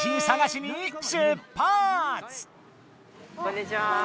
こんにちは。